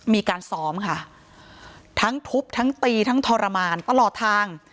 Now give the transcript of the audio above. มีการซ้อมค่ะทั้งทุบทั้งตีทั้งทรมานตลอดทาง